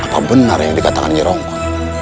apa benar yang dikatakan ini romo